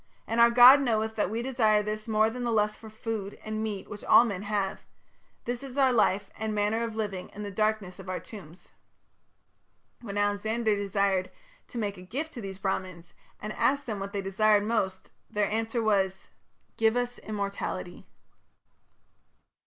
And our God knoweth that we desire this more than the lust for food and meat which all men have: this is our life and manner of living in the darkness of our tombs.'" When Alexander desired to make a gift to these Brahmans, and asked them what they desired most, their answer was, "Give us immortality".